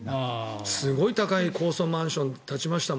すごい高い高層マンション建ちました